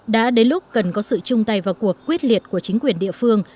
đã đến lúc cần có sự chung tay vào cuộc quyết liệt của chính quyền địa phương